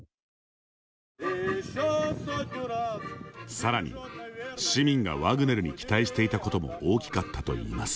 さらに、市民がワグネルに期待していたことも大きかったといいます。